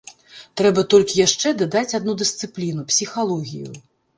Трэба толькі яшчэ дадаць адну дысцыпліну, псіхалогію.